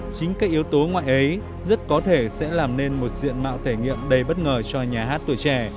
chính các yếu tố ngoại ấy rất có thể sẽ làm nên một diện mạo thể nghiệm đầy bất ngờ cho nhà hát tuổi trẻ